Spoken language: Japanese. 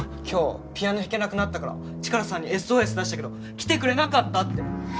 今日ピアノ弾けなくなったからチカラさんにＳＯＳ出したけど来てくれなかったって。